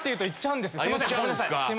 言っちゃうんですか。